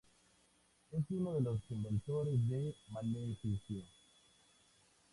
Es uno de los inventores de Maleficio.